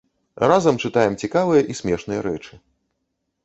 Разам чытаем цікавыя і смешныя рэчы.